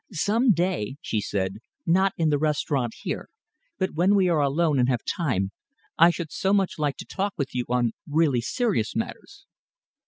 "Some day," she said, "not in the restaurant here but when we are alone and have time, I should so much like to talk with you on really serious matters."